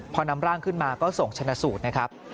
พอนำร่างขึ้นมาก็ส่งชนะสูตรนะครับ